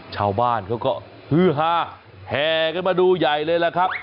ชาวบ้านเขาก็ฮือฮาแห่กันมาดูใหญ่เลยล่ะครับ